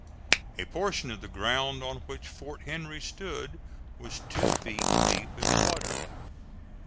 A portion of the ground on which Fort Henry stood was two feet deep in water.